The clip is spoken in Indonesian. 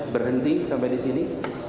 berhenti sampai di sini